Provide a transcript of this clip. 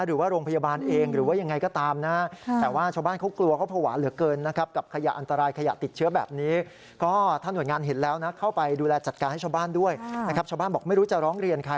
หรือว่าโรงพยาบาลเองหรือยังไงก็ตามนะ